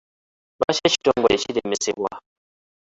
Lwaki ekitongole kiremesebwa?